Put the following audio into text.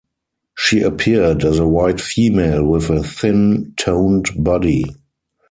She appeared as a white female with a thin, toned body.